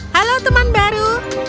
halo teman baru